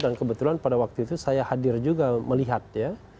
dan kebetulan pada waktu itu saya hadir juga melihat ya